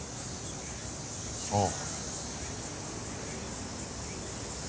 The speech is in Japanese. ああ。